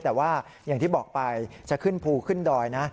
แต่ว่าอย่างที่บอกไปจะขึ้นภูขึ้นดอยนะ